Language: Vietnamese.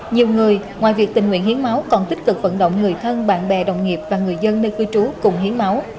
nhiều người ngoài việc tình nguyện hiến máu còn tích cực vận động người thân bạn bè đồng nghiệp và người dân nơi cư trú cùng hiến máu